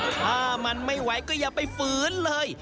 ถ้ามันไม่ไหวก็อย่าไปฝืนเลย